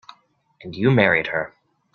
And you married her.